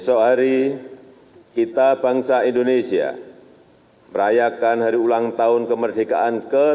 esok hari kita bangsa indonesia merayakan hari ulang tahun kemerdekaan ke tujuh puluh